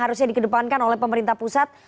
harusnya dikedepankan oleh pemerintah pusat